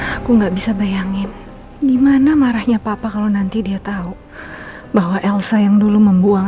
aku nggak bisa bayangin gimana marahnya papa kalau nanti dia tahu bahwa elsa yang dulu membuang